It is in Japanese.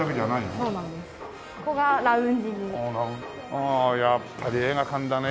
ああやっぱり映画館だね。